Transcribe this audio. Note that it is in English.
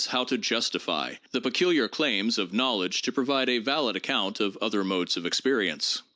how to justify the peculiar claims of knowledge to provide a valid account of other modes of experience.